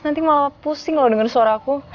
nanti malah pusing lo dengan suaraku